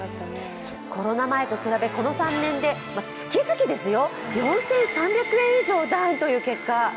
コロナ前と比べ、この３年で月々、４３００円以上ダウンという結果。